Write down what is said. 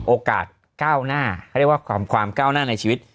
โอกาสก้าวหน้าคือความก้าวหน้าในชีวิต